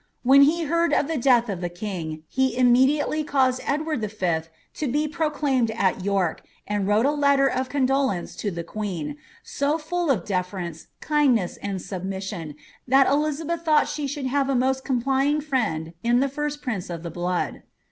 When he heard of the death of the king, he immediately caused fxlward V. to be proclaimed at York, and wrote a letter of condolence' to the queen^ so full of deference, kindness, and submission, tlutt Elizabeth thought she should lutve a most complying friend in the first prince of the blood.